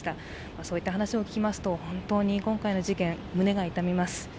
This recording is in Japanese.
そういった話を聞きますと、本当に今回の事件、胸が痛みます。